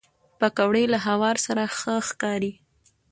پکورې له هوار سره ښه ښکاري